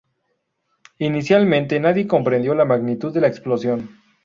Inicialmente, nadie comprendió la magnitud de la explosión.